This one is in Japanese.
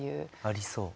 ありそう。